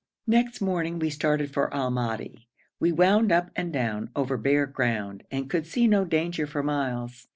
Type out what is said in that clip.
Next morning we started for Al Madi. We wound up and down, over bare ground, and could see no danger for miles.